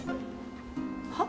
はっ？